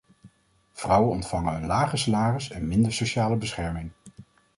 Vrouwen ontvangen een lager salaris en minder sociale bescherming.